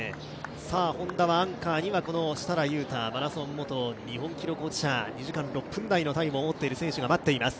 Ｈｏｎｄａはアンカーには設楽悠太、２時間６分台のタイムを持っている選手が待っています。